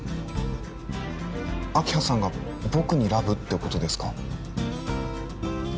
明葉さんが僕にラブってことですか？